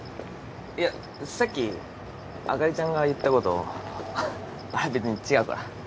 いやさっきあかりちゃんが言ったことあれ別に違うから。